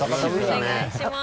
お願いします。